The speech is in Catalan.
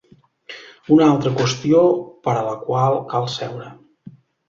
Una altra qüestió per a la qual cal seure.